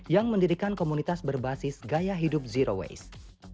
yang mendirikan komunitas berbasis gaya hidup zero waste